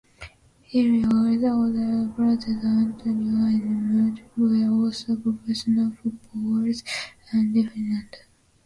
Hierro's older brothers, Antonio and Manuel, were also professional footballers and defenders.